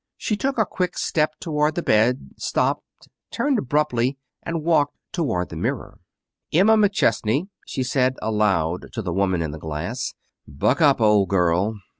She took a quick step toward the bed, stopped, turned abruptly, and walked toward the mirror. "Emma McChesney," she said aloud to the woman in the glass, "buck up, old girl!